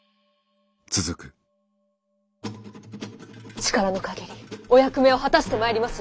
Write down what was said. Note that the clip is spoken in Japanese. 力の限りお役目を果たしてまいりまする。